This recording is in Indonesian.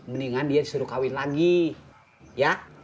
mendingan dia disuruh kawin lagi ya